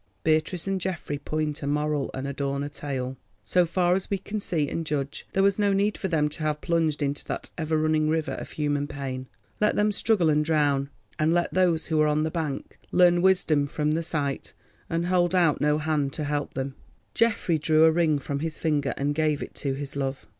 Beatrice and Geoffrey point a moral and adorn a tale. So far as we can see and judge there was no need for them to have plunged into that ever running river of human pain. Let them struggle and drown, and let those who are on the bank learn wisdom from the sight, and hold out no hand to help them. Geoffrey drew a ring from his finger and gave it to his love.